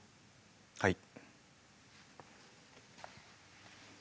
はい。